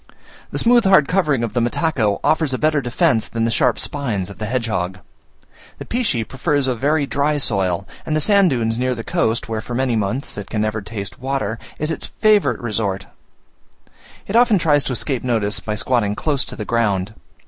The smooth hard covering of the mataco offers a better defence than the sharp spines of the hedgehog. The pichy prefers a very dry soil; and the sand dunes near the coast, where for many months it can never taste water, is its favourite resort: it often tries to escape notice, by squatting close to the ground.